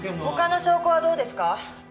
他の証拠はどうですか？